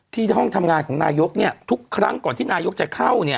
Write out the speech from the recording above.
อ๋อที่ห้องทำงานของนายกเนี่ยทุกครั้งก่อนที่นายกจะเข้าเนี่ย